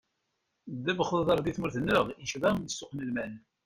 Ddabex n uḍar di tmurt-nneɣ icba ssuq n lmal.